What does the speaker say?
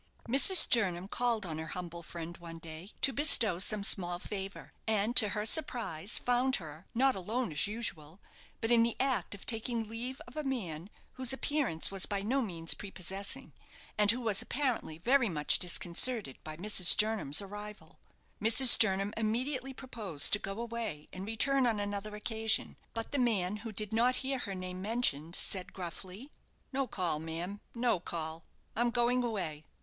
Mrs. Jernam called on her humble friend one day, to bestow some small favour, and, to her surprise, found her, not alone as usual, but in the act of taking leave of a man whose appearance was by no means prepossessing, and who was apparently very much disconcerted by Mrs. Jernam's arrival. Mrs. Jernam immediately proposed to go away and return on another occasion, but the man, who did not hear her name mentioned, said, gruffly: "No call, ma'am, no call; I'm going away.